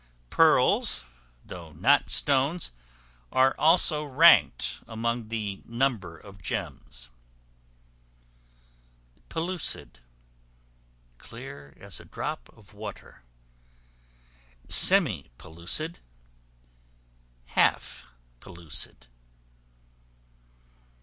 Pearls, though not stones, are also ranked among the number of gems. Pellucid, clear as a drop of water. Semi pellucid, half pellucid.